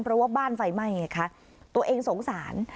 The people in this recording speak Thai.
เพราะว่าบ้านไฟไหม้ไงคะตัวเองสงสาร